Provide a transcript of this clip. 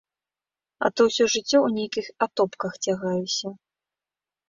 А то ўсё жыццё ў нейкіх атопках цягаюся!